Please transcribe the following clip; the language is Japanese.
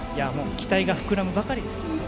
期待が膨らむばかりです。